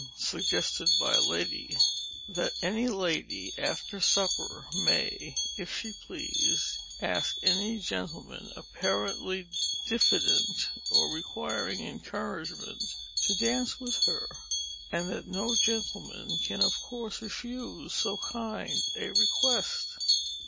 (suggested by a lady). That any lady, after supper, may (if she please) ask any gentleman apparently diffident, or requiring encouragement, to dance with her, and that no gentleman can of course refuse so kind a request.